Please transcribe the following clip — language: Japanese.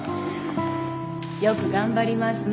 よく頑張りました。